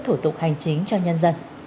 thủ tục hành chính cho nhân dân